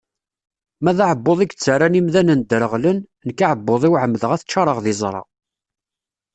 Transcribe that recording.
Ma d aɛebbuḍ i yettarran imdanen dreɣlen, nekk aɛebbuḍ-iw ɛemdeɣ ad t-ččareɣ d iẓra.